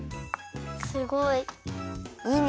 すごい！